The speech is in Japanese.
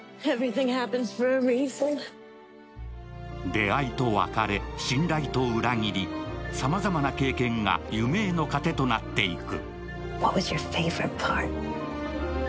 出会いと別れ、信頼と裏切りさまざまな経験が夢への糧となっていく。